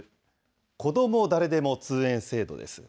こども誰でも通園制度です。